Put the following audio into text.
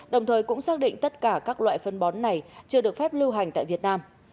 đồng thời cũng xác định tất cả các loại phân bón này chưa được phép lưu hành tại việt nam